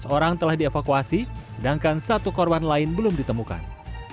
sebelas orang telah dievakuasi sedangkan satu korban lain belum ditemukan